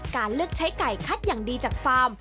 การเลือกใช้ไก่คัดอย่างดีจากฟาร์ม